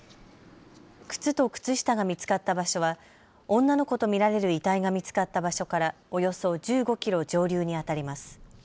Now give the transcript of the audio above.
靴と靴下が見つかった場所は女の子と見られる遺体が見つかった場所からおよそ１５キロ上流にあたります。